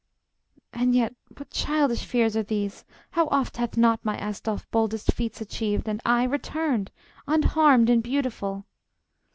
] And yet what childish fears are these! How oft Hath not my Asdolf boldest feats achieved And aye returned, unharmed and beautiful!